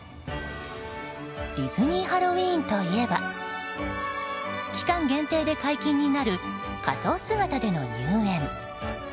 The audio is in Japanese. ディズニー・ハロウィーンといえば期間限定で解禁になる仮装姿での入園。